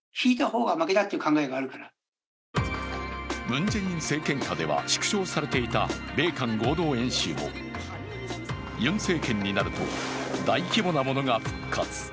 ムン・ジェイン政権下では縮小されていた米韓合同演習も、ユン政権になると、大規模なものが復活。